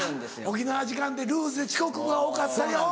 沖縄時間でルーズで遅刻が多かったりうん。